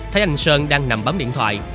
thấy anh sơn đang nằm bấm điện thoại